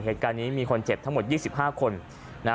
เหตุการณ์นี้มีคนเจ็บทั้งหมด๒๕คน